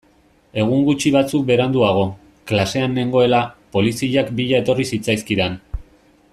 Egun gutxi batzuk beranduago, klasean nengoela, poliziak bila etorri zitzaizkidan.